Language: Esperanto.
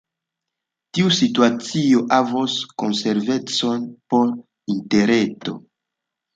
Tiu situacio havos konsekvencojn por Interreto.